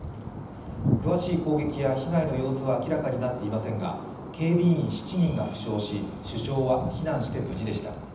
詳しい攻撃や被害の様子は明らかになっていませんが警備員７人が負傷し、首相は避難して無事でした。